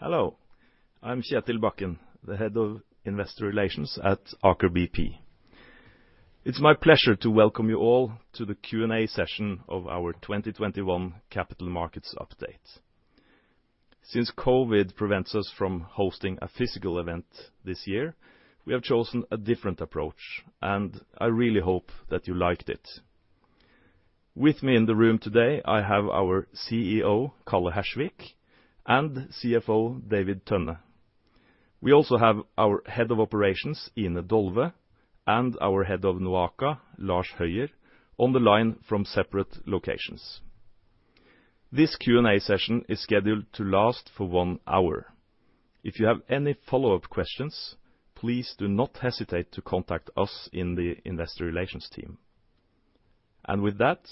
Hello. I'm Kjetil Bakken, the head of investor relations at Aker BP. It's my pleasure to welcome you all to the Q&A session of our 2021 Capital Markets Update. Since COVID prevents us from hosting a physical event this year, we have chosen a different approach, and I really hope that you liked it. With me in the room today, I have our CEO, Calle Hersvik, and CFO, David Tønne. We also have our head of operations, Ine Dolve, and our head of NOAKA, Lars Høier, on the line from separate locations. This Q&A session is scheduled to last for one hour. If you have any follow-up questions, please do not hesitate to contact us in the investor relations team. With that,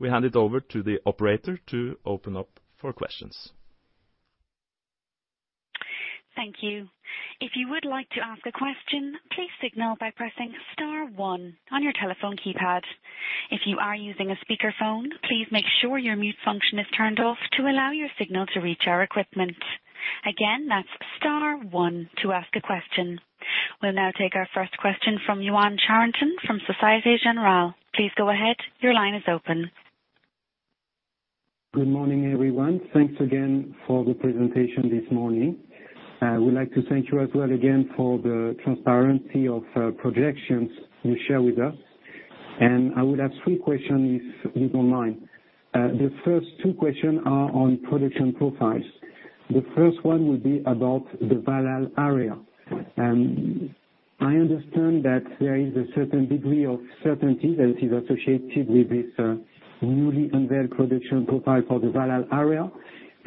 we hand it over to the operator to open up for questions. Thank you. If you would like to ask a question, please signal by pressing star one on your telephone keypad. If you are using a speakerphone, please make sure your mute function is turned off to allow your signal to reach our equipment. Again, that's star one to ask a question. We will now take our first question from Yoann Charenton from Société Générale. Please go ahead. Your line is open. Good morning, everyone. Thanks again for the presentation this morning. I would like to thank you as well again for the transparency of projections you share with us, I would have three questions if you don't mind. The first two questions are on production profiles. The first one will be about the Valhall area. I understand that there is a certain degree of certainty that is associated with this newly unveiled production profile for the Valhall area,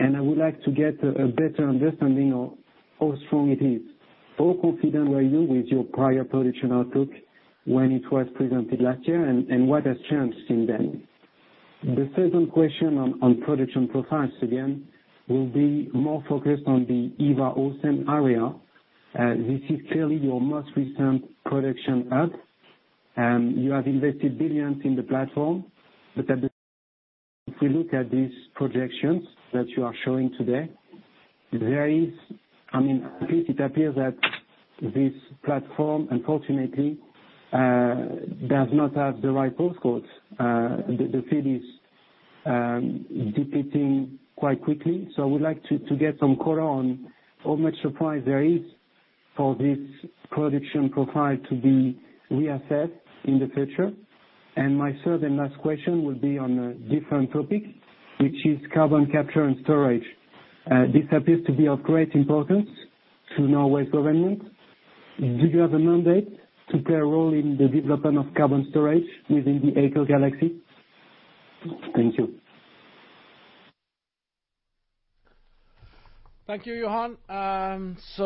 I would like to get a better understanding of how strong it is. How confident were you with your prior production outlook when it was presented last year, what has changed since then? The second question on production profiles, again, will be more focused on the Ivar Aasen area. This is clearly your most recent production hub; you have invested billions in the platform. If we look at these projections that you are showing today, it appears that this platform, unfortunately, does not have the right postcodes. The field is depleting quite quickly. I would like to get some color on how much surprise there is for this production profile to be reassessed in the future. My third and last question will be on a different topic, which is carbon capture and storage. This appears to be of great importance to Norway's government. Do you have a mandate to play a role in the development of carbon storage within the Aker group? Thank you. Thank you, Yoann.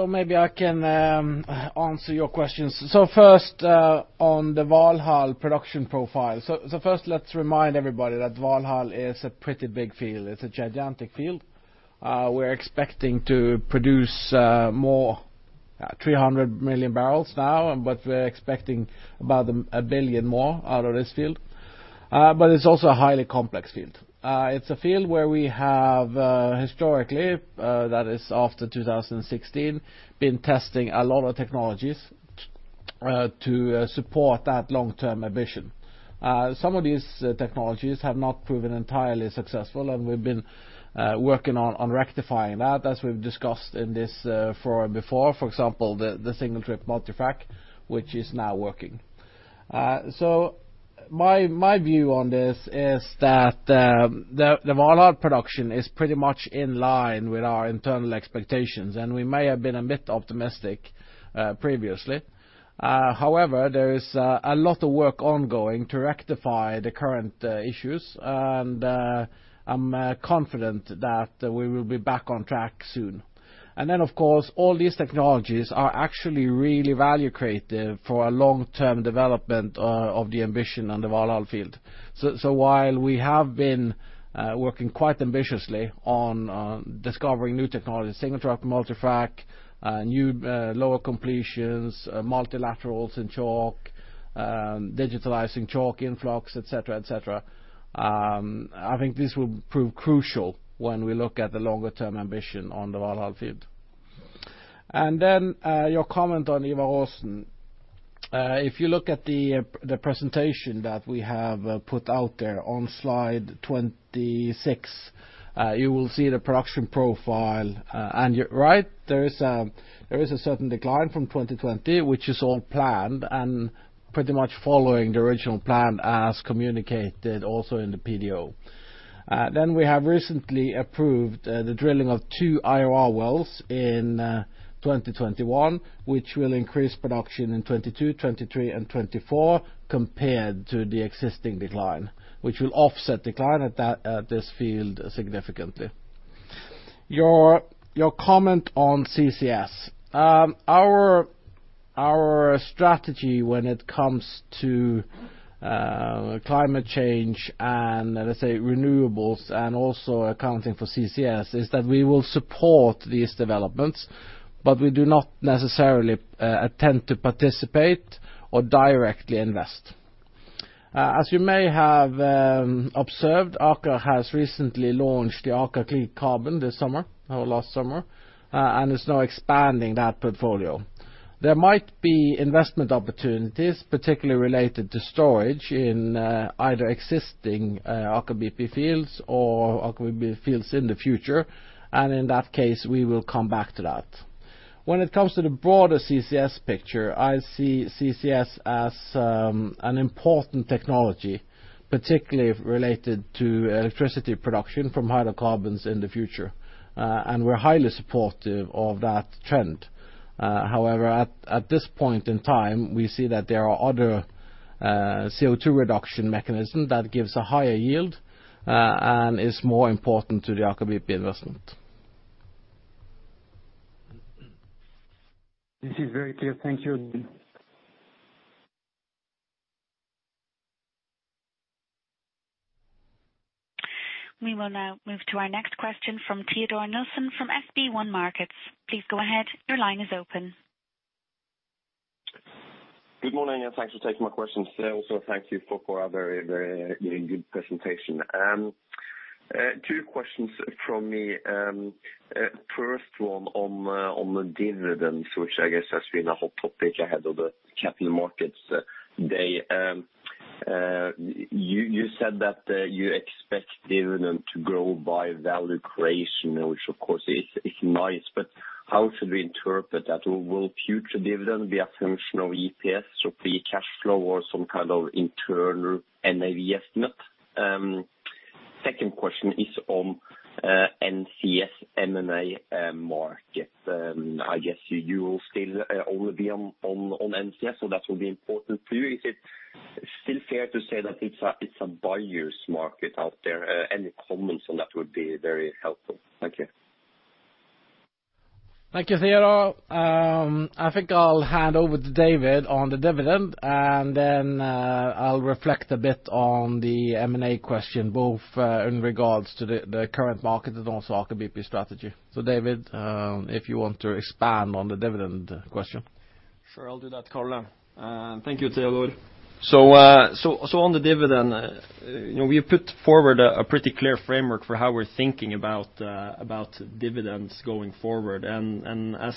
Maybe I can answer your questions. First, on the Valhall production profile. First, let's remind everybody that Valhall is a pretty big field. It's a gigantic field. We're expecting to produce more, 300 million barrels now, but we're expecting about 1 billion more out of this field. It's also a highly complex field. It's a field where we have historically, that is after 2016, been testing a lot of technologies to support that long-term ambition. Some of these technologies have not proven entirely successful, and we've been working on rectifying that, as we've discussed in this forum before. For example, the single-trip multifrac, which is now working. My view on this is that the Valhall production is pretty much in line with our internal expectations, and we may have been a bit optimistic previously. There is a lot of work ongoing to rectify the current issues, and I'm confident that we will be back on track soon. Of course, all these technologies are actually really value creative for a long-term development of the ambition on the Valhall field. While we have been working quite ambitiously on discovering new technologies, single-trip multifrac, new lower completions, multilaterals in chalk, digitalizing chalk influx, et cetera. I think this will prove crucial when we look at the longer-term ambition on the Valhall field. Your comment on Ivar Aasen. If you look at the presentation that we have put out there on slide 26, you will see the production profile, and you're right, there is a certain decline from 2020, which is all planned and pretty much following the original plan as communicated also in the PDO. We have recently approved the drilling of two IOR wells in 2021, which will increase production in 2022, 2023, and 2024 compared to the existing decline, which will offset decline at this field significantly. Your comment on CCS. Our strategy when it comes to climate change and, let's say, renewables and also accounting for CCS is that we will support these developments, but we do not necessarily attempt to participate or directly invest. As you may have observed, Aker has recently launched the Aker Carbon Capture this summer, or last summer, and is now expanding that portfolio. There might be investment opportunities, particularly related to storage in either existing Aker BP fields or Aker BP fields in the future. In that case, we will come back to that. When it comes to the broader CCS picture, I see CCS as an important technology, particularly related to electricity production from hydrocarbons in the future, and we're highly supportive of that trend. However, at this point in time, we see that there are other CO2 reduction mechanism that gives a higher yield, and is more important to the Aker BP investment. This is very clear. Thank you. We will now move to our next question from Teodor Sveen-Nilsen from SB1 Markets. Please go ahead. Your line is open. Good morning, and thanks for taking my questions. Thank you for a very good presentation. Two questions from me. First one on the dividends, which I guess has been a hot topic ahead of the capital markets day. You said that you expect dividend to grow by value creation, which of course is nice, but how should we interpret that? Will future dividend be a function of EPS or free cash flow or some kind of internal NAV estimate? Second question is on NCS M&A markets. I guess you will still only be on NCS, so that will be important for you. Is it still fair to say that it's a buyer's market out there? Any comments on that would be very helpful. Thank you. Thank you, Teodor. I think I'll hand over to David on the dividend, and then I'll reflect a bit on the M&A question, both in regards to the current market and also Aker BP strategy. David, if you want to expand on the dividend question. Sure. I'll do that, Calle. Thank you, Teodor. On the dividend, we have put forward a pretty clear framework for how we're thinking about dividends going forward. As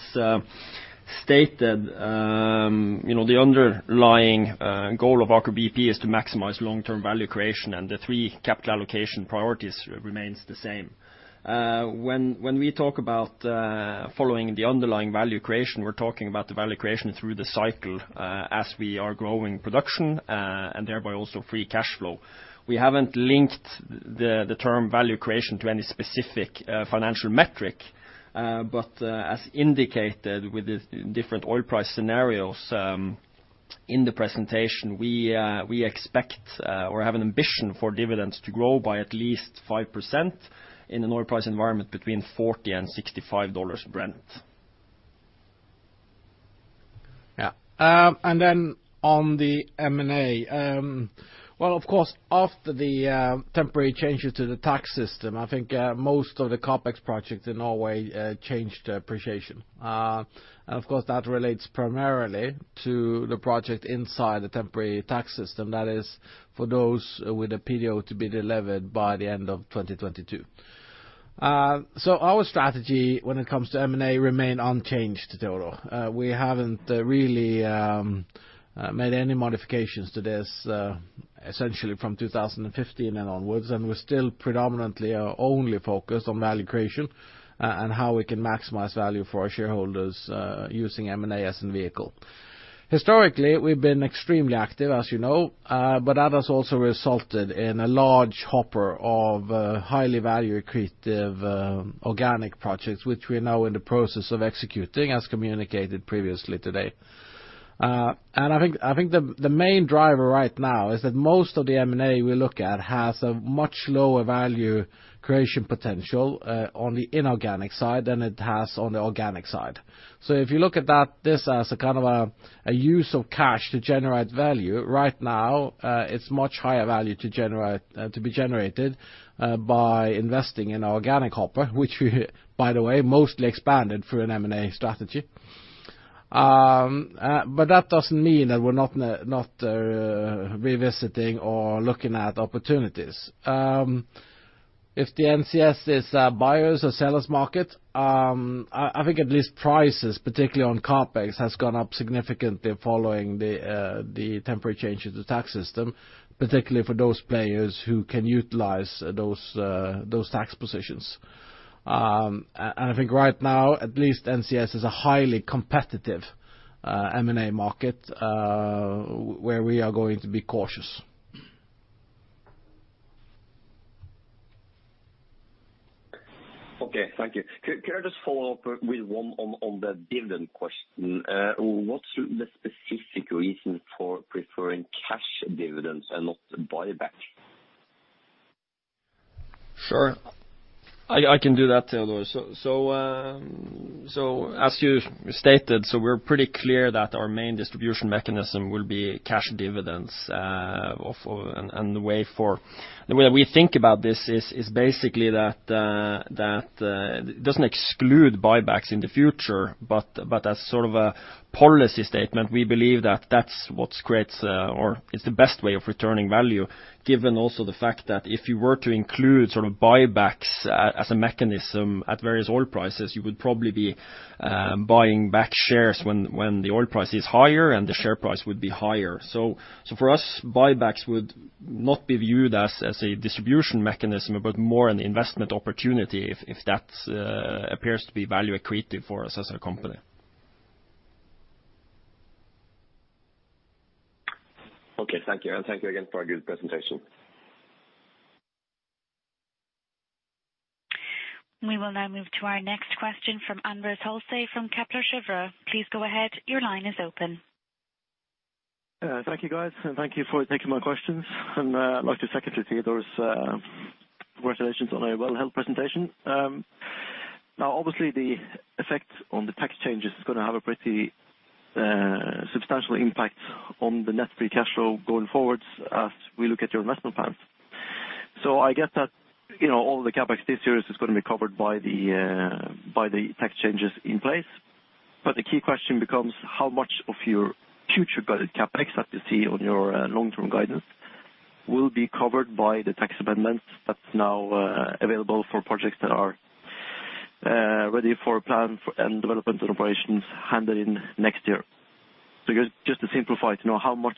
stated, the underlying goal of Aker BP is to maximize long-term value creation and the three capital allocation priorities remains the same. When we talk about following the underlying value creation, we're talking about the value creation through the cycle as we are growing production, and thereby also free cash flow. We haven't linked the term value creation to any specific financial metric. As indicated with the different oil price scenarios in the presentation, we expect, or have an ambition for dividends to grow by at least 5% in an oil price environment between $40 and $65 Brent. Yeah. Then on the M&A. Well, of course, after the temporary changes to the tax system, I think most of the CapEx projects in Norway changed appreciation. Of course, that relates primarily to the project inside the temporary tax system. That is, for those with a PDO to be delivered by the end of 2022. Our strategy when it comes to M&A remain unchanged, Teodor. We haven't really made any modifications to this, essentially from 2015 and onwards, and we're still predominantly are only focused on value creation, and how we can maximize value for our shareholders using M&A as the vehicle. Historically, we've been extremely active, as you know. That has also resulted in a large hopper of highly value accretive organic projects, which we are now in the process of executing, as communicated previously today. I think the main driver right now is that most of the M&A we look at has a much lower value creation potential on the inorganic side than it has on the organic side. If you look at this as a kind of a use of cash to generate value right now, it's much higher value to be generated by investing in organic CapEx, which we, by the way, mostly expanded through an M&A strategy. That doesn't mean that we are not revisiting or looking at opportunities. If the NCS is a buyer's or seller's market, I think at least prices, particularly on CapEx, has gone up significantly following the temporary change of the tax system, particularly for those players who can utilize those tax positions. I think right now, at least NCS is a highly competitive M&A market, where we are going to be cautious. Okay. Thank you. Could I just follow up with one on the dividend question? What's the specific reason for preferring cash dividends and not buyback? Sure. I can do that, Teodor. As you stated, we're pretty clear that our main distribution mechanism will be cash dividends. The way we think about this is basically that it doesn't exclude buybacks in the future, but as sort of a policy statement, we believe that's what creates or is the best way of returning value, given also the fact that if you were to include buybacks as a mechanism at various oil prices, you would probably be buying back shares when the oil price is higher and the share price would be higher. For us, buybacks would not be viewed as a distribution mechanism, but more an investment opportunity if that appears to be value accretive for us as a company. Okay, thank you. Thank you again for a good presentation. We will now move to our next question from Anders Holte from Kepler Cheuvreux. Please go ahead. Your line is open. Thank you, guys. Thank you for taking my questions. I'd like to secondly say, congratulations on a well-held presentation. Obviously, the effect on the tax changes is going to have a pretty substantial impact on the net free cash flow going forwards as we look at your investment plans. I guess that all the CapEx this year is going to be covered by the tax changes in place. The key question becomes how much of your future guided CapEx that you see on your long-term guidance will be covered by the tax amendments that's now available for projects that are ready for plan and development and operations handled in next year? Just to simplify, to know how much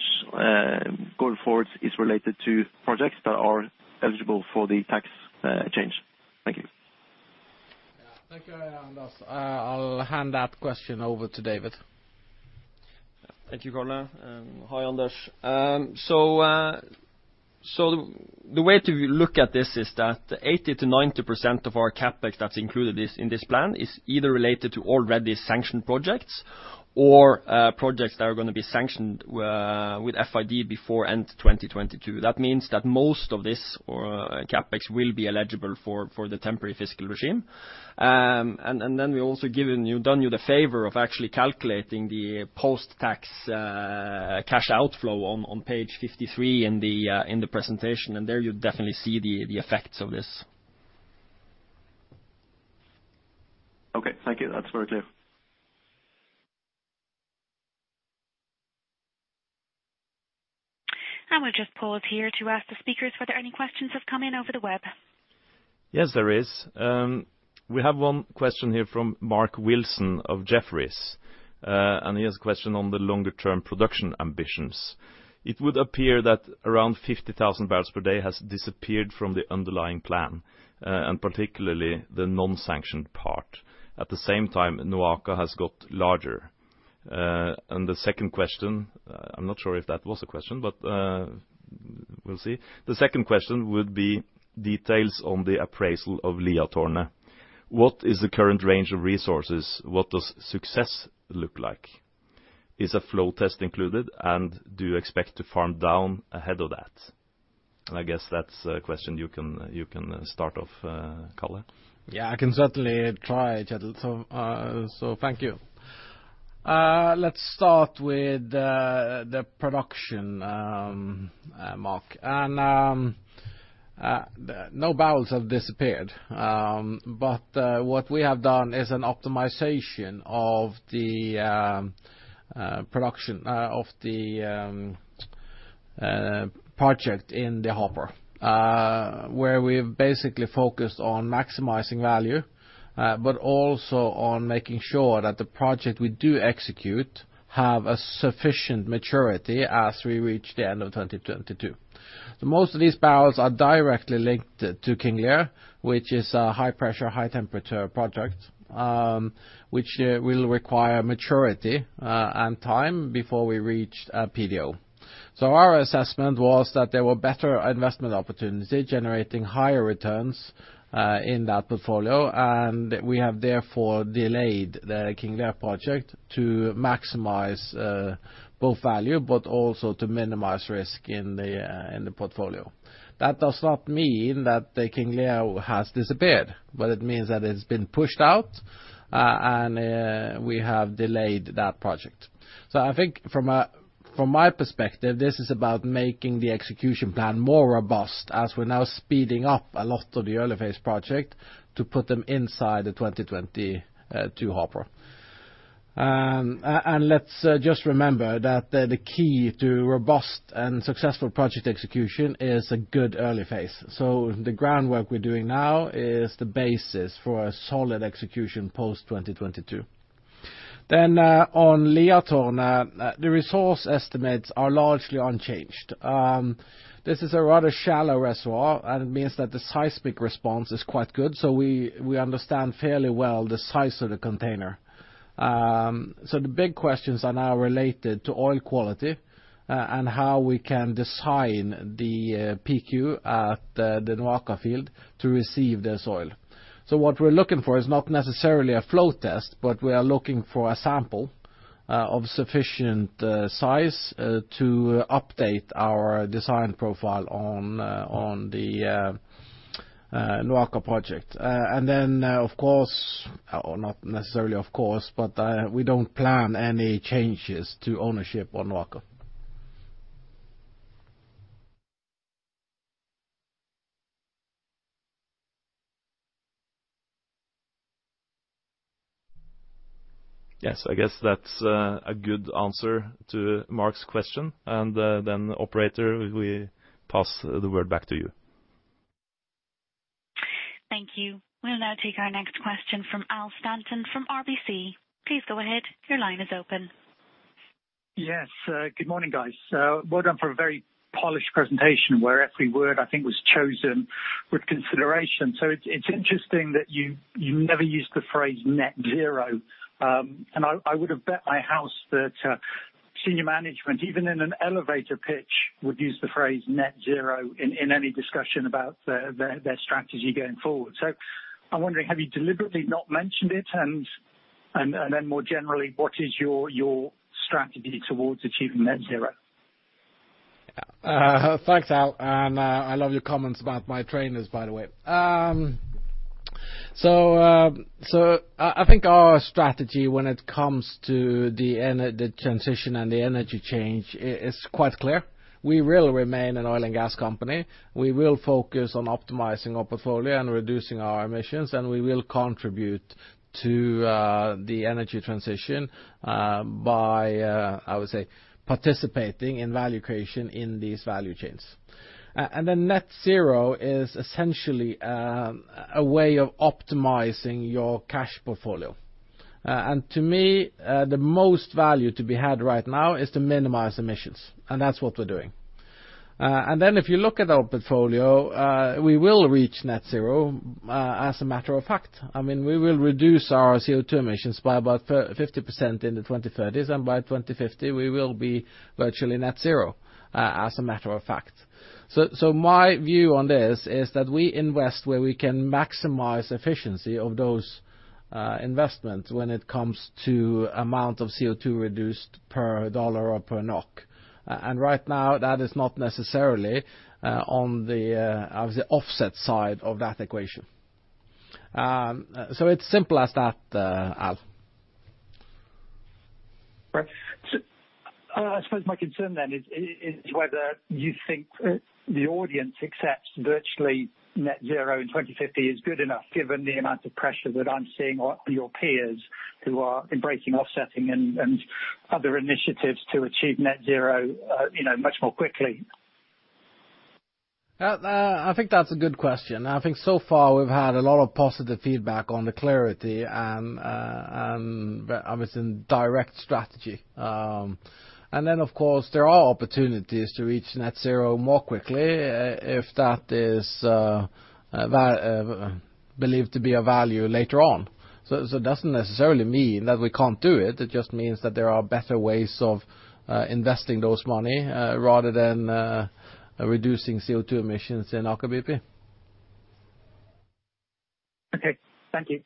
going forward is related to projects that are eligible for the tax change. Thank you. Thank you, Anders. I'll hand that question over to David. Thank you, Calle. Hi, Anders. The way to look at this is that 80%-90% of our CapEx that's included in this plan is either related to already sanctioned projects or projects that are going to be sanctioned with FID before end 2022. That means that most of this CapEx will be eligible for the temporary fiscal regime. Then we've also done you the favor of actually calculating the post-tax cash outflow on page 53 in the presentation. There you definitely see the effects of this. Okay, thank you. That's very clear. We'll just pause here to ask the speakers whether any questions have come in over the web. Yes, there is. We have one question here from Mark Wilson of Jefferies, and he has a question on the longer-term production ambitions. It would appear that around 50,000 barrels per day has disappeared from the underlying plan, and particularly the non-sanctioned part. At the same time, NOAKA has got larger. The second question, I'm not sure if that was a question, but we'll see. The second question would be details on the appraisal of Liatårnet. What is the current range of resources? What does success look like? Is a flow test included, and do you expect to farm down ahead of that? I guess that's a question you can start off, Calle. Yeah, I can certainly try, Kjetil. Thank you. Let's start with the production, Mark. No barrels have disappeared, but what we have done is an optimization of the production of the project in the hopper, where we've basically focused on maximizing value, but also on making sure that the project we do execute have a sufficient maturity as we reach the end of 2022. Most of these barrels are directly linked to King Lear, which is a high-pressure, high-temperature project which will require maturity and time before we reach a PDO. Our assessment was that there were better investment opportunities generating higher returns in that portfolio, and we have therefore delayed the King Lear project to maximize both value, but also to minimize risk in the portfolio. That does not mean that the King Lear has disappeared, but it means that it's been pushed out, and we have delayed that project. I think from my perspective, this is about making the execution plan more robust as we're now speeding up a lot of the early phase project to put them inside the 2022 hopper. Let's just remember that the key to robust and successful project execution is a good early phase. The groundwork we're doing now is the basis for a solid execution post-2022. On Liatårnet, the resource estimates are largely unchanged. This is a rather shallow reservoir, and it means that the seismic response is quite good. We understand fairly well the size of the container. The big questions are now related to oil quality and how we can design the PQ at the NOAKA field to receive this oil. What we're looking for is not necessarily a flow test, but we are looking for a sample of sufficient size to update our design profile on the NOAKA project. Then, of course, or not necessarily of course, but we don't plan any changes to ownership on NOAKA. Yes, I guess that's a good answer to Mark's question. Then operator, we pass the word back to you. Thank you. We'll now take our next question from Al Stanton from RBC. Please go ahead. Your line is open. Yes, good morning, guys. Well done for a very polished presentation where every word, I think, was chosen with consideration. It's interesting that you never used the phrase net zero. I would have bet my house that senior management, even in an elevator pitch, would use the phrase net zero in any discussion about their strategy going forward. I'm wondering, have you deliberately not mentioned it? More generally, what is your strategy towards achieving net zero? Thanks, Al. I love your comments about my trainers, by the way. I think our strategy when it comes to the transition and the energy change is quite clear. We will remain an oil and gas company. We will focus on optimizing our portfolio and reducing our emissions, and we will contribute to the energy transition by, I would say, participating in value creation in these value chains. Net zero is essentially a way of optimizing your cash portfolio. To me, the most value to be had right now is to minimize emissions, and that's what we're doing. If you look at our portfolio, we will reach net zero, as a matter of fact. We will reduce our CO2 emissions by about 50% in the 2030s, and by 2050, we will be virtually net zero, as a matter of fact. My view on this is that we invest where we can maximize efficiency of those investments when it comes to amount of CO2 reduced per dollar or per NOK. Right now, that is not necessarily on the, I would say, offset side of that equation. It's simple as that, Al. I suppose my concern then is whether you think the audience accepts virtually net zero in 2050 is good enough given the amount of pressure that I'm seeing on your peers who are embracing offsetting and other initiatives to achieve net zero much more quickly. I think that's a good question. I think so far we've had a lot of positive feedback on the clarity and direct strategy. Then, of course, there are opportunities to reach net zero more quickly if that is believed to be a value later on. It doesn't necessarily mean that we can't do it. It just means that there are better ways of investing those money rather than reducing CO2 emissions in Aker BP. Okay. Thank you.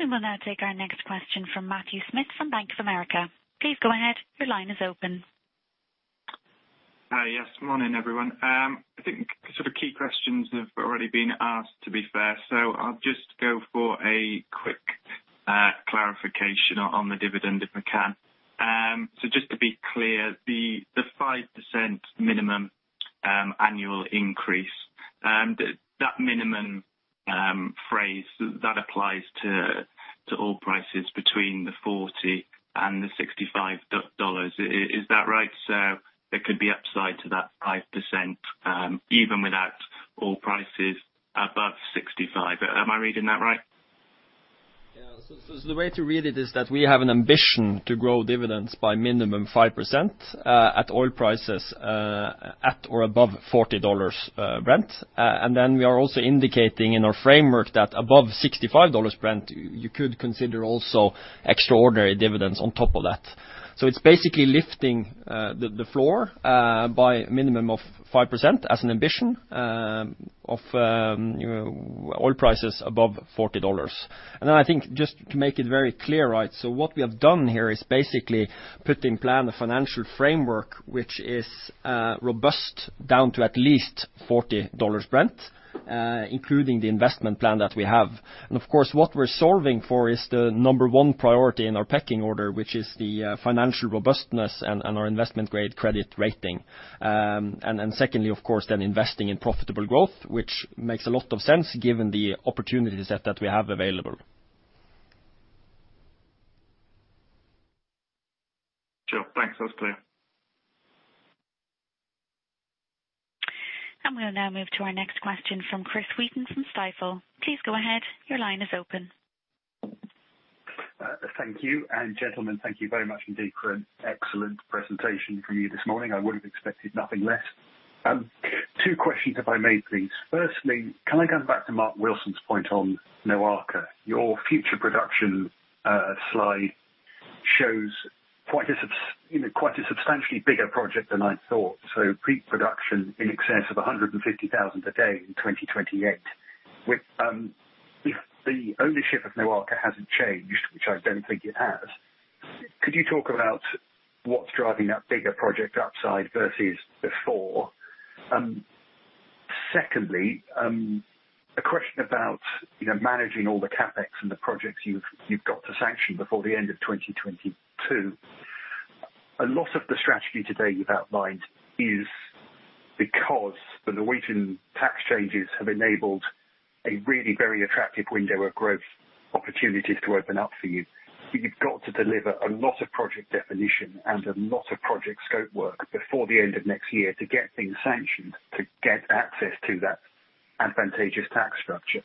We will now take our next question from Matthew Smith from Bank of America. Please go ahead. Your line is open. Hi, yes, morning everyone. I think the key questions have already been asked, to be fair. I'll just go for a quick clarification on the dividend, if I can. Just to be clear, the 5% minimum annual increase, that minimum phrase, that applies to oil prices between the $40 and $65. Is that right? There could be upside to that 5%, even without oil prices above $65. Am I reading that right? Yeah. The way to read it is that we have an ambition to grow dividends by minimum 5% at oil prices at or above $40 Brent. We are also indicating in our framework that above $65 Brent, you could consider also extraordinary dividends on top of that. It's basically lifting the floor by a minimum of 5% as an ambition of oil prices above $40. I think just to make it very clear, what we have done here is basically put in plan a financial framework which is robust down to at least $40 Brent, including the investment plan that we have. What we're solving for is the number one priority in our pecking order, which is the financial robustness and our investment-grade credit rating. Secondly, of course, then investing in profitable growth, which makes a lot of sense given the opportunity set that we have available. Sure. Thanks. That's clear. We'll now move to our next question from Chris Wheaton from Stifel. Please go ahead. Your line is open. Thank you. Gentlemen, thank you very much indeed for an excellent presentation from you this morning. I would have expected nothing less. Two questions, if I may please. Firstly, can I come back to Mark Wilson's point on NOAKA? Your future production slide shows quite a substantially bigger project than I thought. Pre-production in excess of 150,000 a day in 2028. If the ownership of NOAKA hasn't changed, which I don't think it has, could you talk about what's driving that bigger project upside versus before? Secondly, a question about managing all the CapEx and the projects you've got to sanction before the end of 2022. A lot of the strategy today you've outlined is because the Norwegian tax changes have enabled a really very attractive window of growth opportunities to open up for you, but you've got to deliver a lot of project definition and a lot of project scope work before the end of next year to get things sanctioned, to get access to that advantageous tax structure.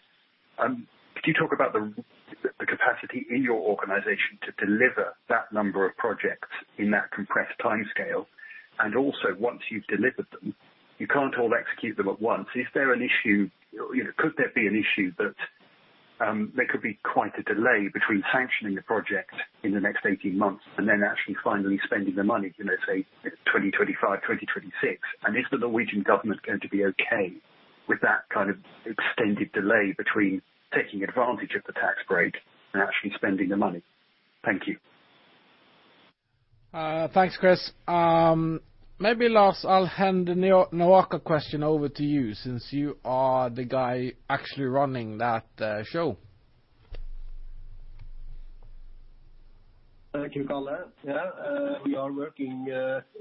Could you talk about the capacity in your organization to deliver that number of projects in that compressed timescale? Also, once you've delivered them, you can't all execute them at once. Is there an issue, could there be an issue that there could be quite a delay between sanctioning the project in the next 18 months and then actually finally spending the money, let's say, 2025, 2026? Is the Norwegian government going to be okay with that kind of extended delay between taking advantage of the tax break and actually spending the money? Thank you. Thanks, Chris. Maybe Lars, I'll hand the NOAKA question over to you since you are the guy actually running that show. Thank you, Calle. We are working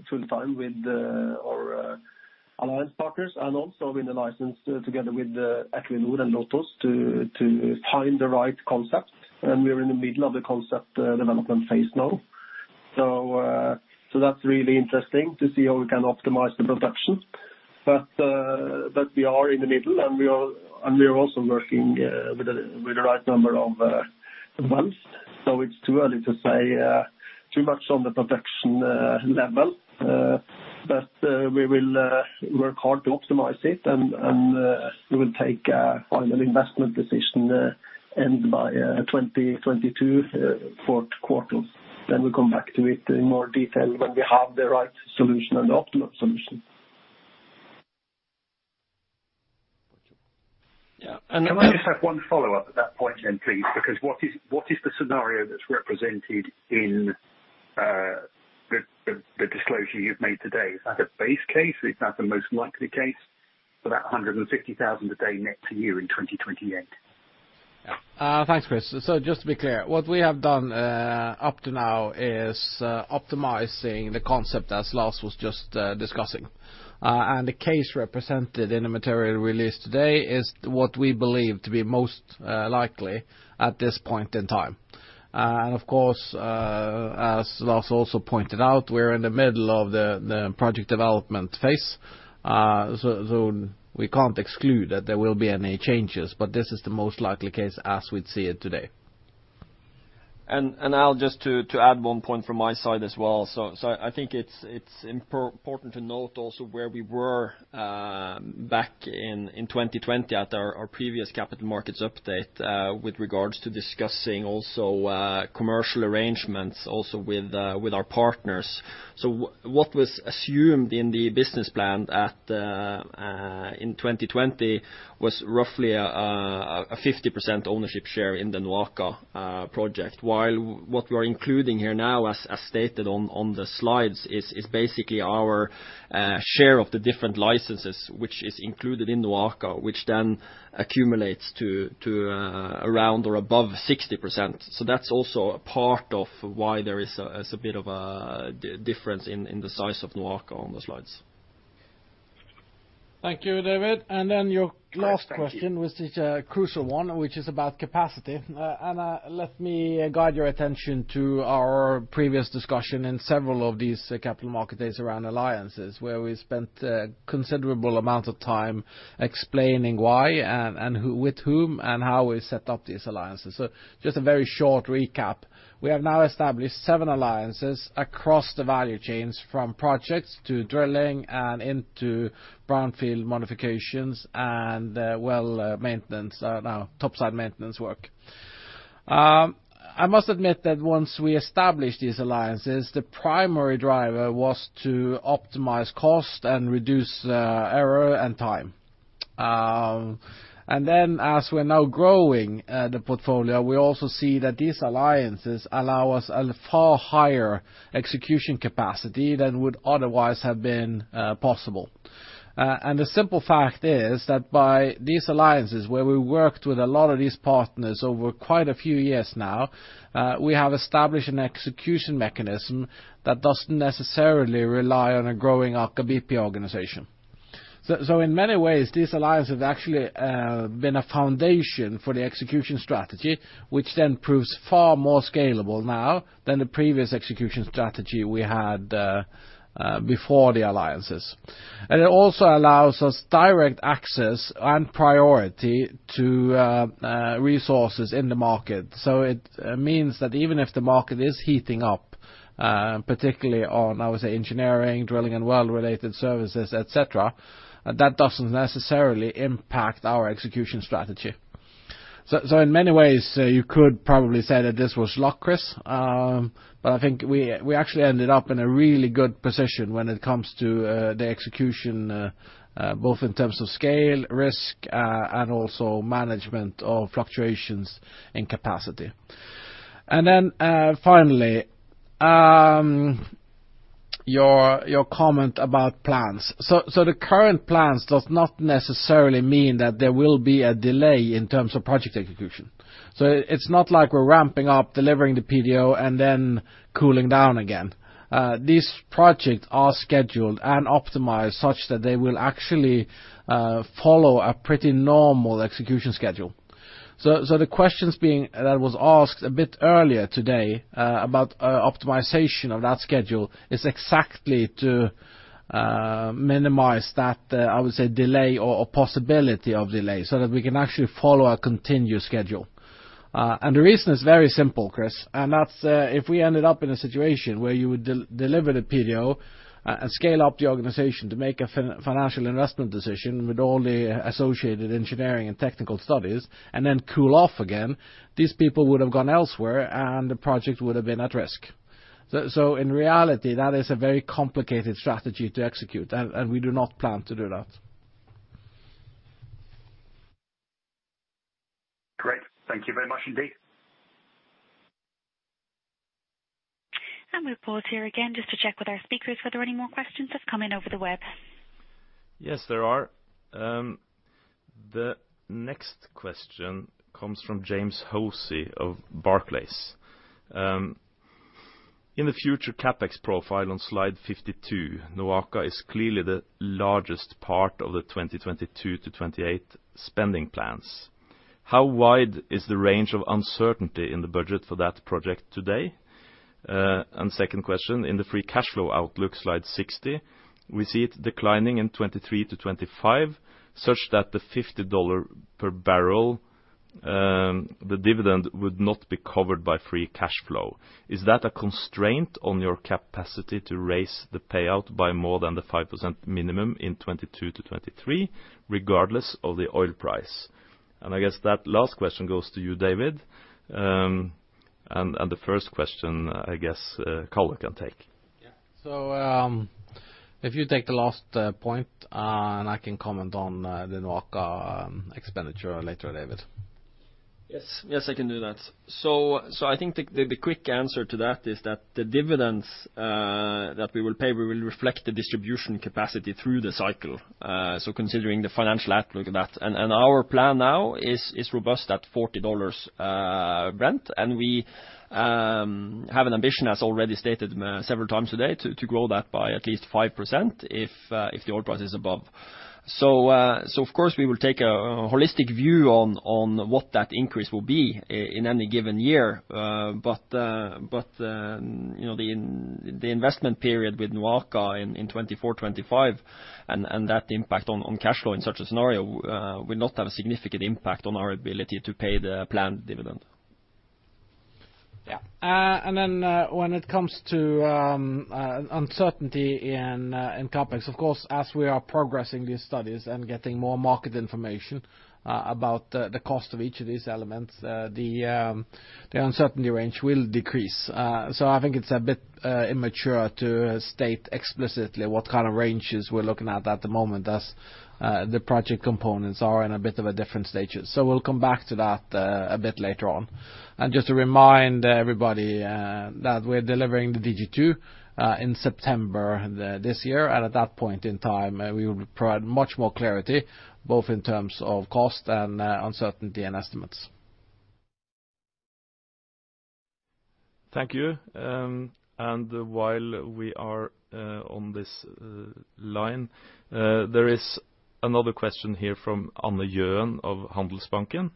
full time with our alliance partners and also in the license together with Equinor and LOTOS to find the right concept. We're in the middle of the concept development phase now. That's really interesting to see how we can optimize the production. We are in the middle, and we are also working with the right number of months, so it's too early to say too much on the production level. We will work hard to optimize it, and we will take a final investment decision end by 2022, Q4. We'll come back to it in more detail when we have the right solution and the optimal solution. Yeah. Can I just have one follow-up at that point, please? What is the scenario that's represented in the disclosure you've made today? Is that a base case? Is that the most likely case for that 160,000 a day net to you in 2028? Yeah. Thanks, Chris. Just to be clear, what we have done up to now is optimizing the concept as Lars was just discussing. The case represented in the material released today is what we believe to be most likely at this point in time. Of course, as Lars also pointed out, we're in the middle of the project development phase, so we can't exclude that there will be any changes, but this is the most likely case as we see it today. Al, just to add one point from my side as well. I think it's important to note also where we were back in 2020 at our previous Capital Markets Update with regards to discussing also commercial arrangements also with our partners. What was assumed in the business plan in 2020 was roughly a 50% ownership share in the NOAKA project. While what we are including here now, as stated on the slides, is basically our share of the different licenses, which is included in NOAKA, which then accumulates to around or above 60%. That's also a part of why there is a bit of a difference in the size of NOAKA on the slides. Thank you, David. Your last question. Thanks. Thank you was the crucial one, which is about capacity. Let me guide your attention to our previous discussion in several of these Capital Market days around alliances, where we spent a considerable amount of time explaining why and with whom and how we set up these alliances. Just a very short recap. We have now established seven alliances across the value chains, from projects to drilling and into brownfield modifications and well maintenance, now topside maintenance work. I must admit that once we established these alliances, the primary driver was to optimize cost and reduce error and time. As we're now growing the portfolio, we also see that these alliances allow us a far higher execution capacity than would otherwise have been possible. The simple fact is that by these alliances, where we worked with a lot of these partners over quite a few years now, we have established an execution mechanism that doesn't necessarily rely on a growing Aker BP organization. In many ways, this alliance has actually been a foundation for the execution strategy, which then proves far more scalable now than the previous execution strategy we had before the alliances. It also allows us direct access and priority to resources in the market. It means that even if the market is heating up, particularly on, I would say, engineering, drilling, and well related services, et cetera, that doesn't necessarily impact our execution strategy. In many ways, you could probably say that this was luck, Chris, but I think we actually ended up in a really good position when it comes to the execution, both in terms of scale, risk, and also management of fluctuations in capacity. Finally, your comment about plans. The current plans does not necessarily mean that there will be a delay in terms of project execution. It's not like we're ramping up delivering the PDO and then cooling down again. These projects are scheduled and optimized such that they will actually follow a pretty normal execution schedule. The questions that was asked a bit earlier today about optimization of that schedule is exactly to minimize that, I would say, delay or possibility of delay so that we can actually follow our continued schedule. The reason is very simple, Chris, and that's if we ended up in a situation where you would deliver the PDO and scale up the organization to make a financial investment decision with all the associated engineering and technical studies and then cool off again, these people would have gone elsewhere and the project would have been at risk. In reality, that is a very complicated strategy to execute, and we do not plan to do that. Great. Thank you very much indeed. We pause here again just to check with our speakers if there are any more questions that have come in over the web. Yes, there are. The next question comes from James Hosie of Barclays. In the future CapEx profile on slide 52, NOAKA is clearly the largest part of the 2022-2028 spending plans. How wide is the range of uncertainty in the budget for that project today? Second question, in the free cash flow outlook, slide 60, we see it declining in 2023-2025, such that the $50 per barrel, the dividend would not be covered by free cash flow. Is that a constraint on your capacity to raise the payout by more than the 5% minimum in 2022-2023, regardless of the oil price? I guess that last question goes to you, David. The first question, I guess, Calle could take. Yeah. If you take the last point, and I can comment on the NOAKA expenditure later, David. Yes, I can do that. I think the quick answer to that is that the dividends that we will pay will reflect the distribution capacity through the cycle. Considering the financial outlook of that. Our plan now is robust at $40 Brent. We have an ambition as already stated several times today to grow that by at least 5% if the oil price is above. Of course we will take a holistic view on what that increase will be in any given year. The investment period with NOAKA in 2024, 2025 and that impact on cash flow in such a scenario will not have a significant impact on our ability to pay the planned dividend. When it comes to uncertainty in CapEx, of course, as we are progressing these studies and getting more market information about the cost of each of these elements the uncertainty range will decrease. I think it's a bit immature to state explicitly what kind of ranges we're looking at the moment as the project components are in a bit of a different stage. We'll come back to that a bit later on. Just to remind everybody that we're delivering the DG2 in September this year. At that point in time, we will provide much more clarity both in terms of cost and uncertainty and estimates. Thank you. While we are on this line there is another question here from Anne Gjøen of Handelsbanken.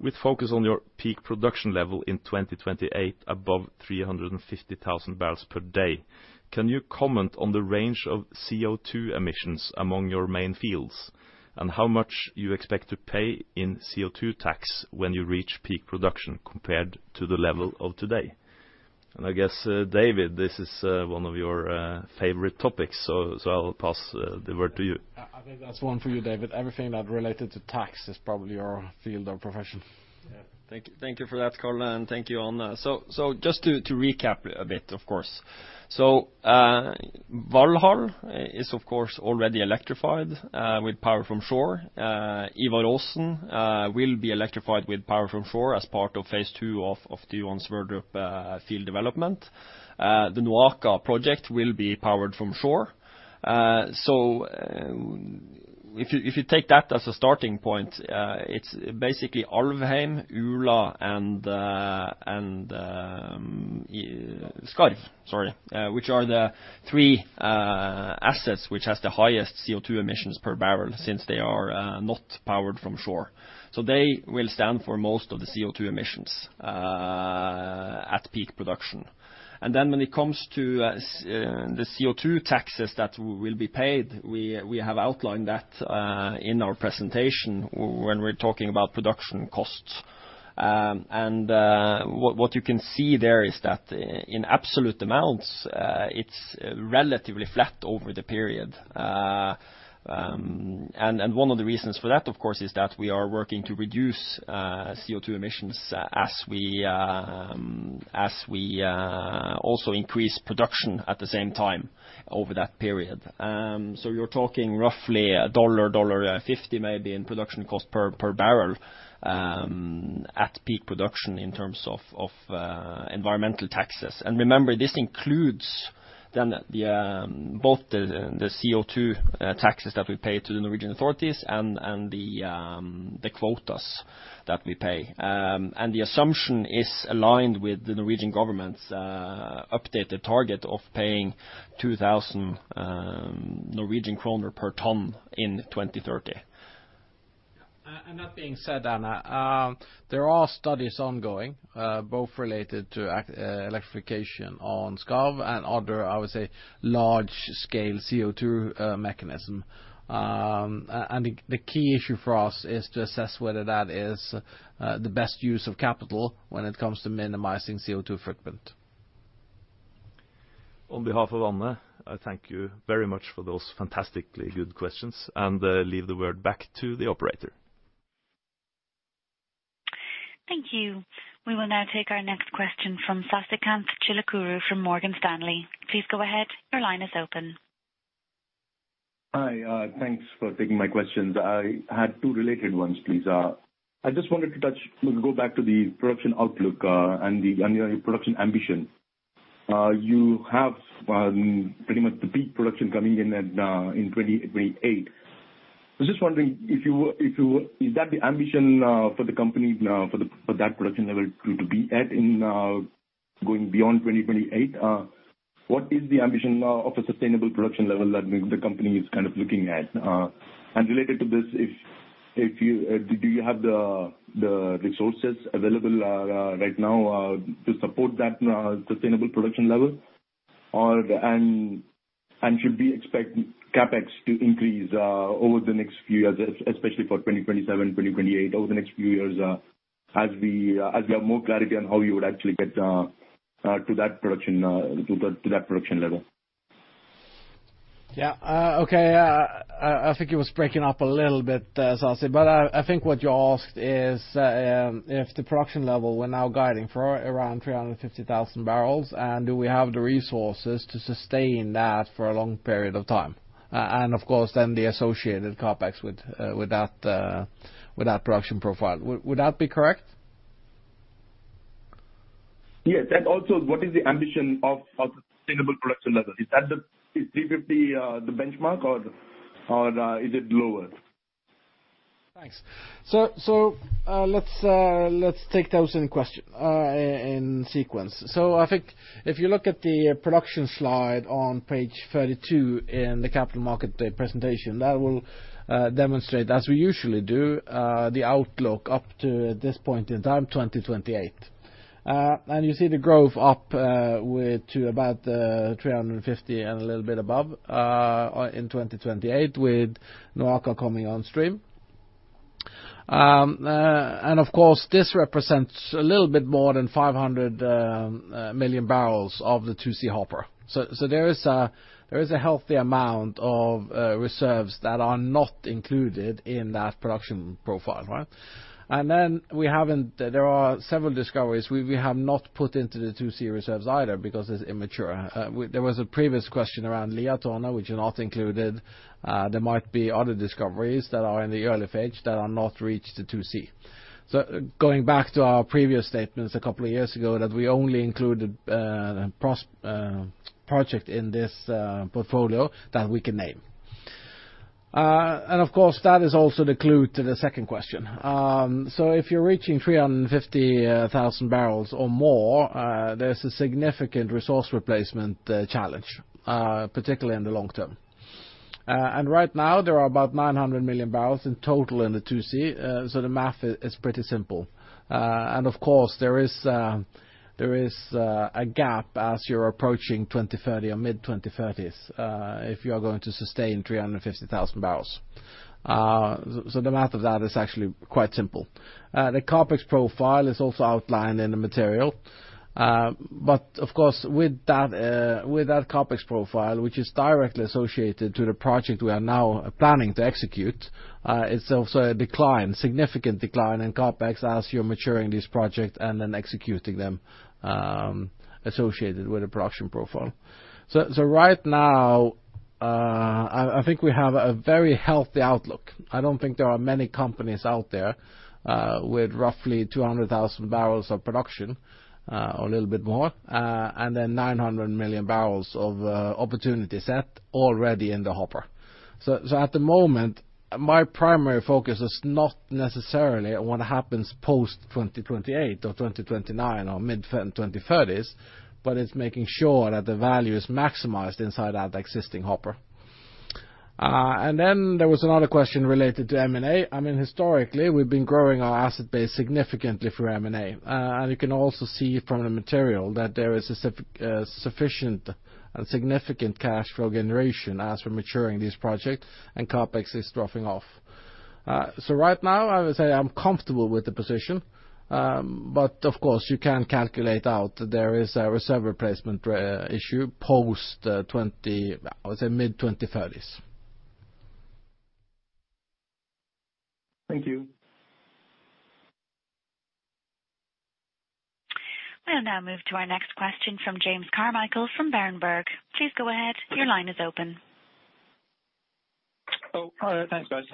With focus on your peak production level in 2028 above 350,000 barrels per day, can you comment on the range of CO2 emissions among your main fields? How much you expect to pay in CO2 tax when you reach peak production compared to the level of today? I guess, David, this is one of your favorite topics, so I'll pass the word to you. I think that's one for you, David. Everything that related to tax is probably your field of profession. Yeah. Thank you for that, Calle, and thank you, Anna. Just to recap a bit, of course. Valhall is of course already electrified with power from shore. Ivar Aasen will be electrified with power from shore as part of phase II of the Johan Sverdrup field development. The NOAKA project will be powered from shore. If you take that as a starting point it's basically Alvheim, Ula and Skarv, sorry which are the three assets which has the highest CO2 emissions per barrel since they are not powered from shore. They will stand for most of the CO2 emissions at peak production. When it comes to the CO2 taxes that will be paid, we have outlined that in our presentation when we're talking about production costs. What you can see there is that in absolute amounts it's relatively flat over the period. One of the reasons for that, of course, is that we are working to reduce CO2 emissions as we also increase production at the same time over that period. You're talking roughly $1, $1.50 maybe in production cost per barrel at peak production in terms of environmental taxes. Remember, this includes both the CO2 taxes that we pay to the Norwegian authorities and the quotas that we pay. The assumption is aligned with the Norwegian government's updated target of paying 2,000 Norwegian kroner per ton in 2030. That being said, Anna, there are studies ongoing, both related to electrification on Skarv and other, I would say, large-scale CO2 mechanism. The key issue for us is to assess whether that is the best use of capital when it comes to minimizing CO2 footprint. On behalf of Anne, I thank you very much for those fantastically good questions, and leave the word back to the operator. Thank you. We will now take our next question from Sasikanth Chilukuru from Morgan Stanley. Please go ahead. Your line is open. Hi. Thanks for taking my questions. I had two related ones, please. I just wanted to go back to the production outlook, and your production ambition. You have pretty much the peak production coming in at 2028. I was just wondering, is that the ambition for the company now for that production level to be at going beyond 2028? What is the ambition now of a sustainable production level that the company is looking at? Related to this, do you have the resources available right now to support that sustainable production level? Should we expect CapEx to increase over the next few years, especially for 2027, 2028, over the next few years as we have more clarity on how you would actually get to that production level? Yeah. Okay. I think it was breaking up a little bit, Sasikanth. I think what you asked is if the production level we're now guiding for around 350,000 barrels, do we have the resources to sustain that for a long period of time? Of course then the associated CapEx with that production profile. Would that be correct? Yes. Also, what is the ambition of the sustainable production level? Is 350 the benchmark or is it lower? Thanks. Let's take those in sequence. I think if you look at the production slide on page 32 in the capital market presentation, that will demonstrate, as we usually do, the outlook up to this point in time, 2028. You see the growth up to about 350 and a little bit above in 2028 with NOAKA coming on stream. Of course, this represents a little bit more than 500 million barrels of the 2C hopper. There is a healthy amount of reserves that are not included in that production profile. Right? There are several discoveries we have not put into the 2C reserves either because it's immature. There was a previous question around Liatårnet, which is not included. There might be other discoveries that are in the early phase that are not reached to 2C. Going back to our previous statements a couple of years ago, that we only included project in this portfolio that we can name. Of course, that is also the clue to the second question. If you're reaching 350,000 barrels or more, there's a significant resource replacement challenge, particularly in the long term. Right now there are about 900 million barrels in total in the 2C, so the math is pretty simple. Of course, there is a gap as you're approaching 2030 or mid-2030s if you are going to sustain 350,000 barrels. The math of that is actually quite simple. The CapEx profile is also outlined in the material. Of course, with that CapEx profile, which is directly associated to the project we are now planning to execute, it's also a decline, significant decline in CapEx as you're maturing this project and then executing them associated with a production profile. Right now, I think we have a very healthy outlook. I don't think there are many companies out there with roughly 200,000 barrels of production, or a little bit more, and then 900 million barrels of opportunity set already in the hopper. At the moment, my primary focus is not necessarily on what happens post-2028 or 2029 or mid-2030s, but it's making sure that the value is maximized inside that existing hopper. There was another question related to M&A. Historically, we've been growing our asset base significantly through M&A. You can also see from the material that there is sufficient and significant cash flow generation as we're maturing this project and CapEx is dropping off. Right now, I would say I'm comfortable with the position. Of course you can calculate out there is a reserve replacement issue post, I would say mid-2030s. Thank you. We'll now move to our next question from James Carmichael from Berenberg. Please go ahead. Your line is open. Oh, hi. Thanks, guys.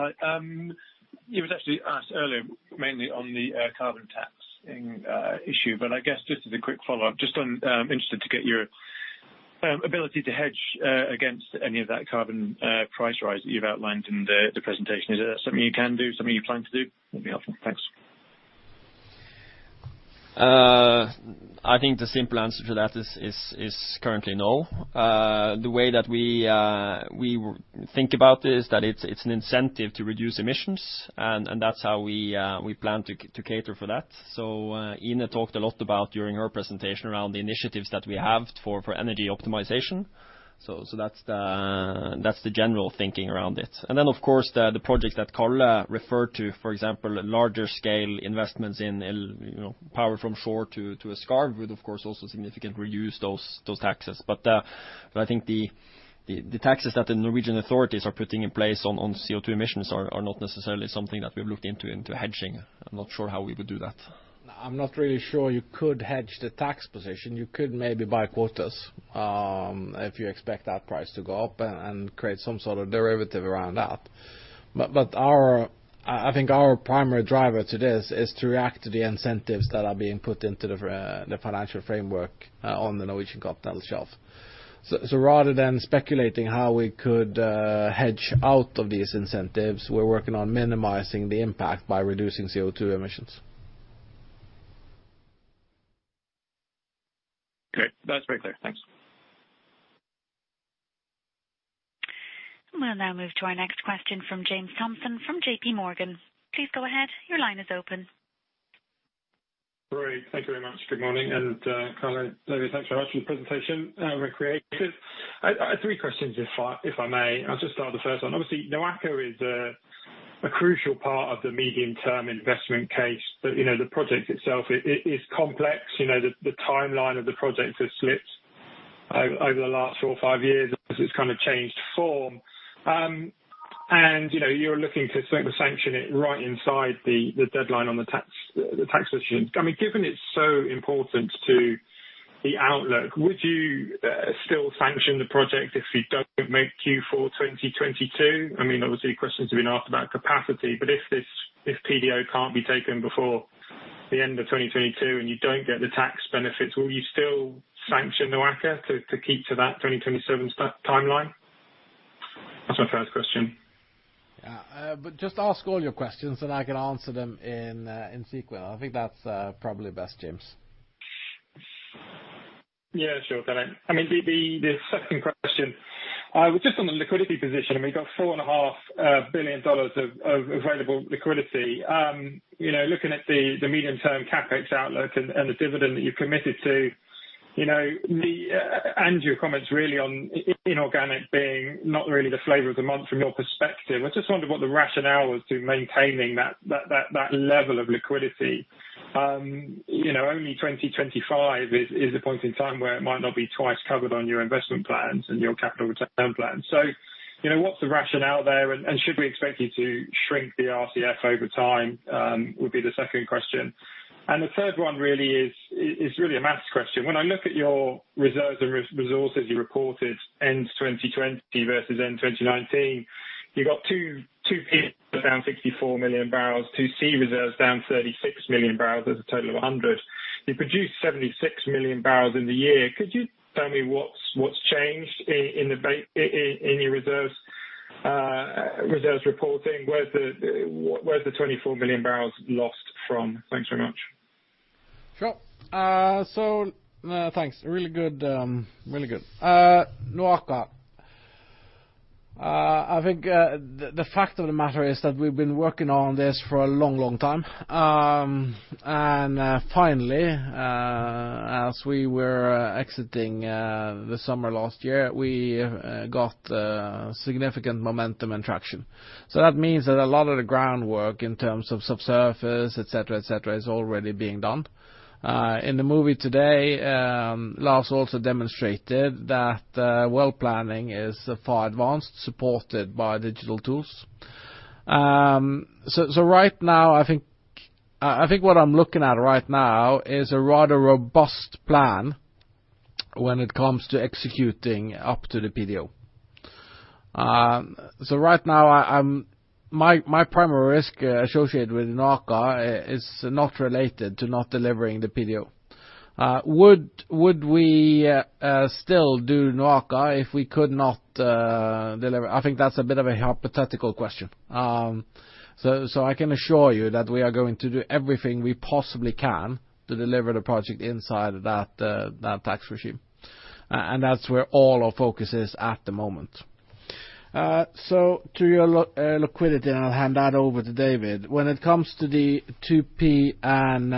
It was actually asked earlier mainly on the carbon taxing issue, but I guess just as a quick follow-up, just I'm interested to get your ability to hedge against any of that carbon price rise that you've outlined in the presentation. Is that something you can do? Something you plan to do? That would be helpful. Thanks. I think the simple answer to that is currently no. The way that we think about this, that it's an incentive to reduce emissions, and that's how we plan to cater for that. Ine talked a lot about, during her presentation, around the initiatives that we have for energy optimization. That's the general thinking around it. Then, of course, the projects that Calle referred to, for example, larger scale investments in power from shore to a Skarv would of course, also significantly reduce those taxes. I think the taxes that the Norwegian authorities are putting in place on CO2 emissions are not necessarily something that we've looked into hedging. I'm not sure how we would do that. I'm not really sure you could hedge the tax position. You could maybe buy quotas, if you expect that price to go up and create some sort of derivative around that. I think our primary driver to this is to react to the incentives that are being put into the financial framework on the Norwegian Continental Shelf. Rather than speculating how we could hedge out of these incentives, we're working on minimizing the impact by reducing CO2 emissions. Great. That's very clear. Thanks. We'll now move to our next question from James Thompson from JP Morgan. Please go ahead. Your line is open. Great. Thank you very much. Good morning. Calle, David, thanks very much for the presentation. Very creative. I have three questions, if I may. I'll just start the first one. Obviously, NOAKA is a crucial part of the medium-term investment case. The project itself is complex. The timeline of the project has slipped over the last four or five years as it's kind of changed form. You're looking to sanction it right inside the deadline on the tax issue. Given it's so important to the outlook, would you still sanction the project if you don't make Q4 2022? Obviously, questions have been asked about capacity, but if this PDO can't be taken before the end of 2022 and you don't get the tax benefits, will you still sanction NOAKA to keep to that 2027 timeline? That's my first question. Yeah. Just ask all your questions, and I can answer them in sequel. I think that's probably best, James. Yeah, sure, Calle. The second question, just on the liquidity position, we got NOK 4.5 billion of available liquidity. Looking at the medium-term CapEx outlook and the dividend that you've committed to, and your comments really on inorganic being not really the flavor of the month from your perspective, I just wondered what the rationale was to maintaining that level of liquidity. Only 2025 is a point in time where it might not be twice covered on your investment plans and your capital return plan. What's the rationale there, and should we expect you to shrink the RCF over time? Would be the second question. The third one really is really a math's question. When I look at your reserves and resources you reported end 2020 versus end 2019, you got 2P reserves down 64 million barrels, 2C reserves down 36 million barrels. There's a total of 100. You produced 76 million barrels in the year. Could you tell me what's changed in your reserves reporting? Where's the 24 million barrels lost from? Thanks very much. Sure. Thanks. Really good. NOAKA. I think the fact of the matter is that we've been working on this for a long time. Finally, as we were exiting the summer last year, we got significant momentum and traction. That means that a lot of the groundwork in terms of subsurface, et cetera, is already being done. In the movie today, Lars also demonstrated that well planning is far advanced, supported by digital tools. Right now, I think what I'm looking at right now is a rather robust plan when it comes to executing up to the PDO. Right now, my primary risk associated with NOAKA is not related to not delivering the PDO. Would we still do NOAKA if we could not deliver? I think that's a bit of a hypothetical question. I can assure you that we are going to do everything we possibly can to deliver the project inside that tax regime. That's where all our focus is at the moment. To your liquidity, I'll hand that over to David. When it comes to the 2P and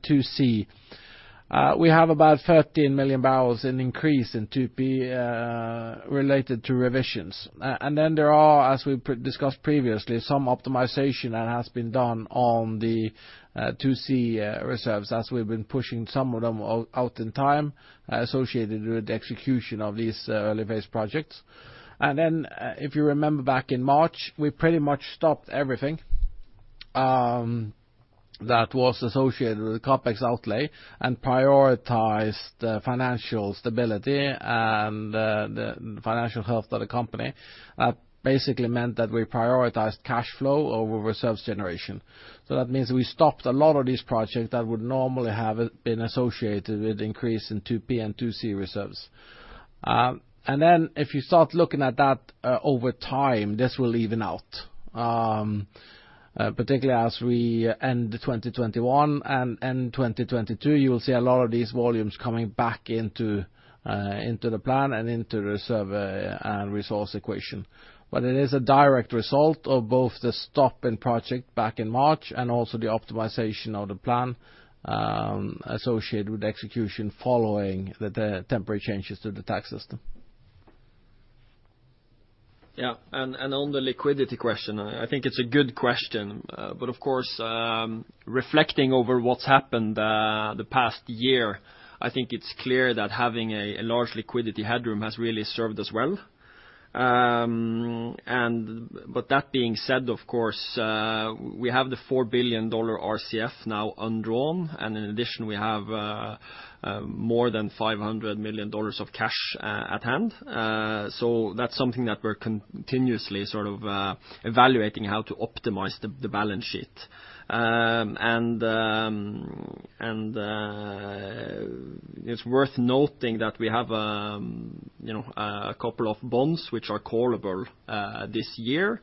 2C, we have about 13 million barrels in increase in 2P related to revisions. There are, as we discussed previously, some optimization that has been done on the 2C reserves as we've been pushing some of them out in time associated with the execution of these early phase projects. If you remember back in March, we pretty much stopped everything that was associated with the CapEx outlay and prioritized the financial stability and the financial health of the company. That basically meant that we prioritized cash flow over reserves generation. That means we stopped a lot of these projects that would normally have been associated with increase in 2P and 2C reserves. Then if you start looking at that over time, this will even out, particularly as we end 2021 and end 2022, you will see a lot of these volumes coming back into the plan and into the survey and resource equation. It is a direct result of both the stop in project back in March and also the optimization of the plan associated with execution following the temporary changes to the tax system. Yeah. On the liquidity question, I think it's a good question. Of course, reflecting over what's happened the past year, I think it's clear that having a large liquidity headroom has really served us well. That being said, of course, we have the $4 billion RCF now undrawn, and in addition, we have more than $500 million of cash at hand. That's something that we're continuously evaluating how to optimize the balance sheet. It's worth noting that we have a couple of bonds which are callable this year.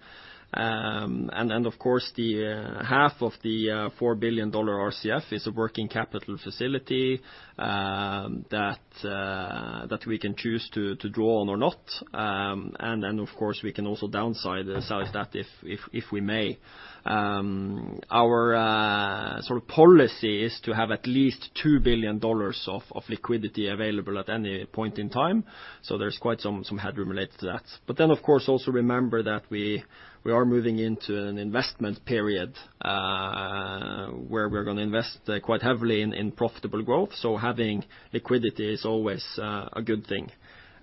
Of course, half of the $4 billion RCF is a working capital facility that we can choose to draw on or not. Of course, we can also downsize that if we may. Our policy is to have at least $2 billion of liquidity available at any point in time. There's quite some headroom related to that. Of course, also remember that we are moving into an investment period, where we're going to invest quite heavily in profitable growth. Having liquidity is always a good thing.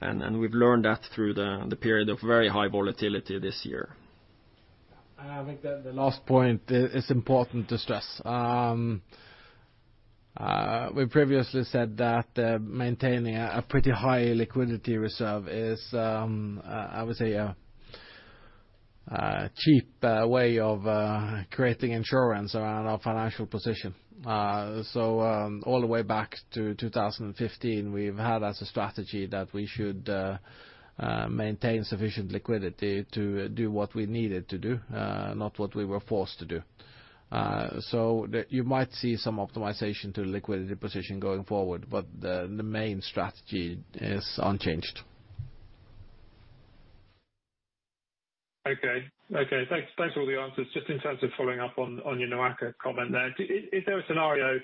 We've learned that through the period of very high volatility this year. I think the last point is important to stress. We previously said that maintaining a pretty high liquidity reserve is, I would say, a cheap way of creating insurance around our financial position. All the way back to 2015, we've had as a strategy that we should maintain sufficient liquidity to do what we needed to do, not what we were forced to do. You might see some optimization to the liquidity position going forward, but the main strategy is unchanged. Okay. Thanks for all the answers. Just in terms of following up on your NOAKA comment there, is there a scenario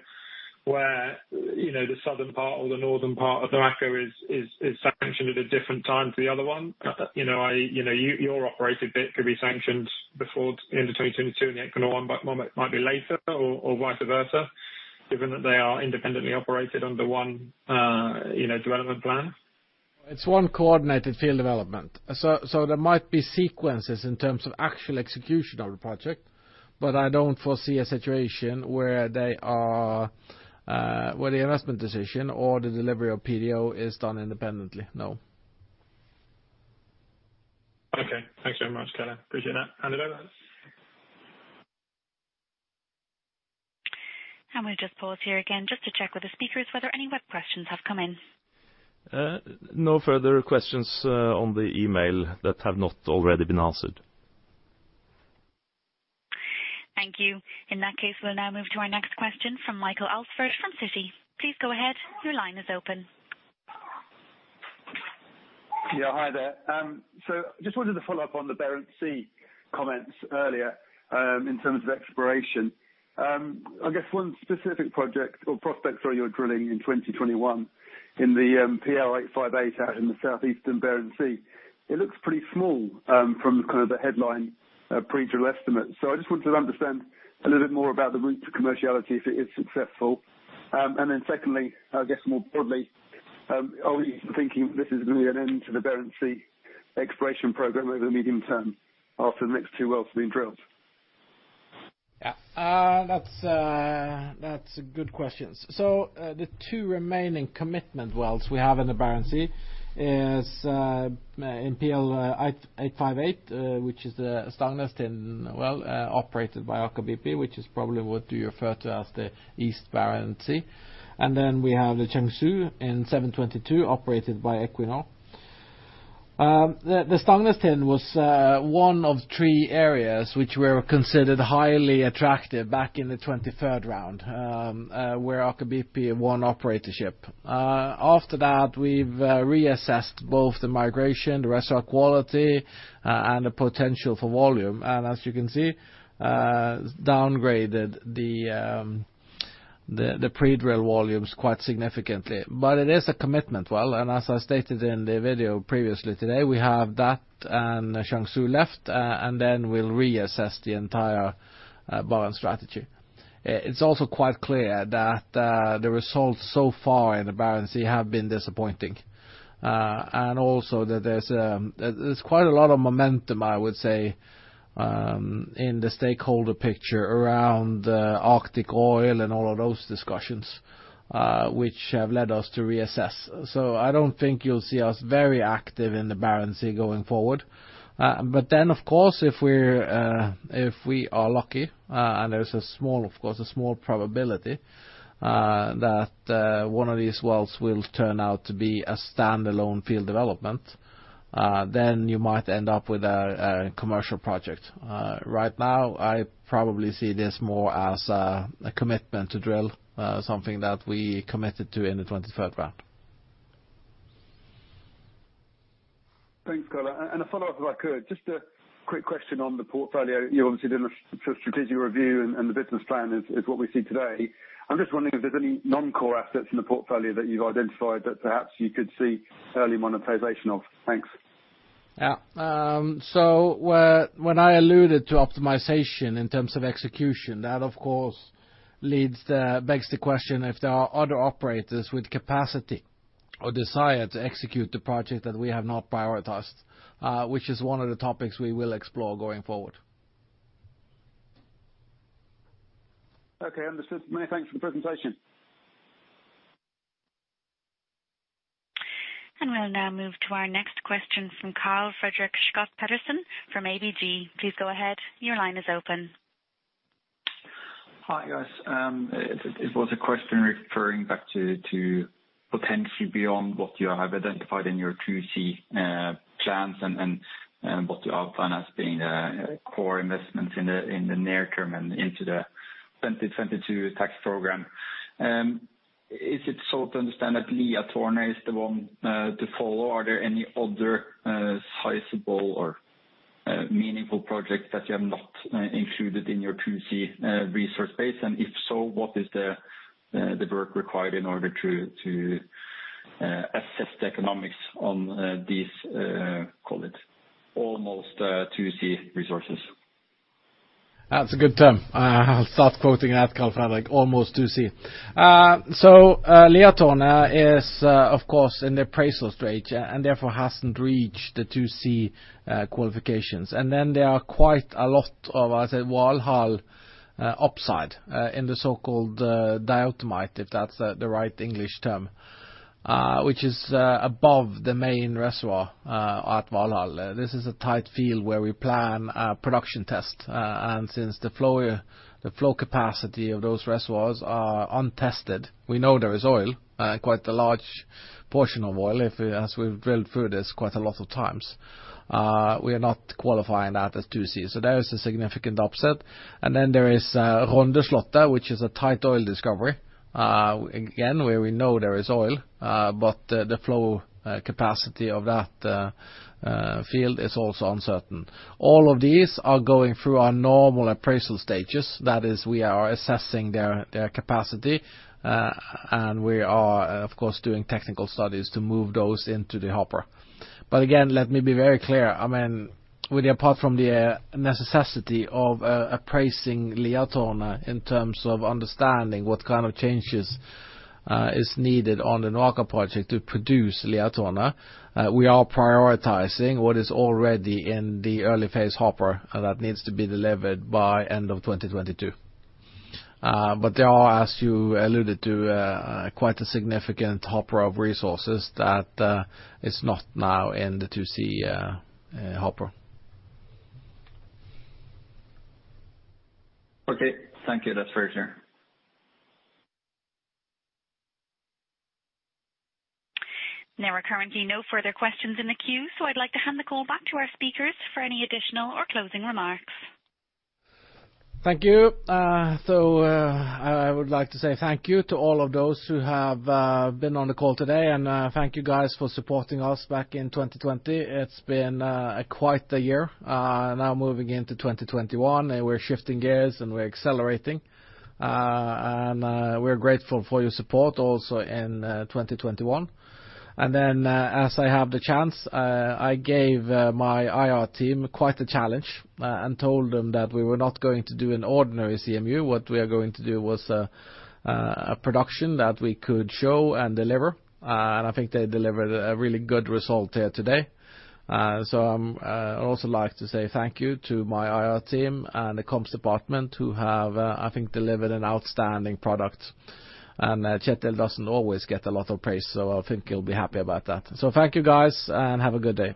where the southern part or the northern part of NOAKA is sanctioned at a different time to the other one? Your operated bit could be sanctioned before the end of 2022, and the Equinor one might be later or vice versa, given that they are independently operated under one development plan? It's one coordinated field development. There might be sequences in terms of actual execution of the project, but I don't foresee a situation where the investment decision or the delivery of PDO is done independently, no. Okay. Thanks very much, Calle. Appreciate that. Annabelle? I'm going to just pause here again just to check with the speakers whether any web questions have come in. No further questions on the email that have not already been answered. Thank you. In that case, we'll now move to our next question from Michael Alsford from Citi. Please go ahead. Your line is open. Yeah, hi there. Just wanted to follow up on the Barents Sea comments earlier in terms of exploration. I guess one specific project or prospect you're drilling in 2021 in the PL 858 out in the southeastern Barents Sea, it looks pretty small from the headline pre-drill estimate. I just wanted to understand a little bit more about the route to commerciality if it is successful. Secondly, I guess more broadly, are we thinking this is going to be an end to the Barents Sea exploration program over the medium term after the next two wells have been drilled? Yeah. That's a good question. The two remaining commitment wells we have in the Barents Sea is in PL 858, which is the Stangnestinden well operated by Aker BP, which is probably what you refer to as the east Barents Sea. We have the Shenzhou in 722, operated by Equinor. The Stangnestinden was one of three areas which were considered highly attractive back in the 23rd round, where Aker BP won operatorship. After that, we've reassessed both the migration, the reservoir quality, and the potential for volume. As you can see, downgraded the pre-drill volumes quite significantly. It is a commitment well, and as I stated in the video previously today, we have that and Shenzhou left, and then we'll reassess the entire Barents strategy. It's also quite clear that the results so far in the Barents Sea have been disappointing. Also that there's quite a lot of momentum, I would say, in the stakeholder picture around Arctic oil and all of those discussions, which have led us to reassess. I don't think you'll see us very active in the Barents Sea going forward. Of course, if we are lucky, and there's a small probability that one of these wells will turn out to be a standalone field development, then you might end up with a commercial project. Right now, I probably see this more as a commitment to drill something that we committed to in the 23rd round. Thanks, Calle. A follow-up if I could. Just a quick question on the portfolio. You obviously did a strategic review and the business plan is what we see today. I'm just wondering if there's any non-core assets in the portfolio that you've identified that perhaps you could see early monetization of. Thanks. When I alluded to optimization in terms of execution, that of course begs the question if there are other operators with capacity or desire to execute the project that we have not prioritized, which is one of the topics we will explore going forward. Okay. Understood. Many thanks for the presentation. We'll now move to our next question from Karl Fredrik Schjøtt-Pedersen from ABG. Please go ahead. Your line is open. Hi, guys. It was a question referring back to potentially beyond what you have identified in your 2C plans and what you are planning as being core investments in the near term and into the 2022 tax program. Is it so to understand that Liatårnet is the one to follow? Are there any other sizable or meaningful projects that you have not included in your 2C resource base? If so, what is the work required in order to assess the economics on these, call it, almost 2C resources? That's a good term. I'll start quoting that, Karl Fredrik, almost 2C. Liatårnet is, of course, in the appraisal stage and therefore hasn't reached the 2C qualifications. Then there are quite a lot of, I say, Valhall upside in the so-called diatomite, if that's the right English term, which is above the main reservoir at Valhall. This is a tight field where we plan a production test. Since the flow capacity of those reservoirs are untested, we know there is oil, quite a large portion of oil, as we've drilled through this quite a lot of times. We are not qualifying that as 2C. There is a significant upside. Then there is Rondeslottet, which is a tight oil discovery, again, where we know there is oil, but the flow capacity of that field is also uncertain. All of these are going through our normal appraisal stages. That is, we are assessing their capacity, and we are, of course, doing technical studies to move those into the hopper. Again, let me be very clear. Apart from the necessity of appraising Liatårnet in terms of understanding what kind of changes is needed on the NOAKA project to produce Liatårnet, we are prioritizing what is already in the early phase hopper that needs to be delivered by end of 2022. There are, as you alluded to, quite a significant hopper of resources that is not now in the 2C hopper. Okay. Thank you. That's very clear. There are currently no further questions in the queue. I'd like to hand the call back to our speakers for any additional or closing remarks. Thank you. I would like to say thank you to all of those who have been on the call today and thank you guys for supporting us back in 2020. It's been quite a year. Now moving into 2021, we're shifting gears and we're accelerating. We're grateful for your support also in 2021. As I have the chance, I gave my IR team quite a challenge and told them that we were not going to do an ordinary CMU. What we are going to do was a production that we could show and deliver. I think they delivered a really good result here today. I'd also like to say thank you to my IR team and the comms department who have, I think, delivered an outstanding product. Kjetil doesn't always get a lot of praise, so I think he'll be happy about that. Thank you, guys, and have a good day.